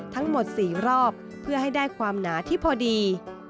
ทั้งหมด๔รอบเพื่อให้ได้ความหนาที่พอดี